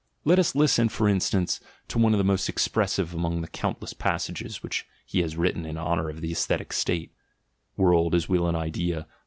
Let us listen, for instance, to one of the most expressive among the countless passages which he has written in honour of the aesthetic state (World as Will and Idea, i.